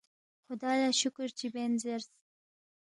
خدا لا شکر چی بین زیرس۔